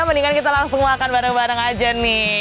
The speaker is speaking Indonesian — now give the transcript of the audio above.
mendingan kita langsung makan bareng bareng aja nih